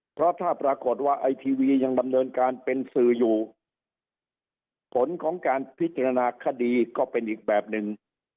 เพราะถ้าปรากฏว่าไอทีวียังดำเนินการเป็นสื่ออยู่ผลของการพิจารณาคดีก็เป็นอีกแบบหนึ่ง